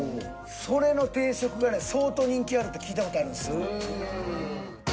それの定食がね相当人気あるって聞いた事あるんですよ。